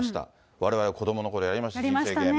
われわれ、子どものころ、やりました、人生ゲーム。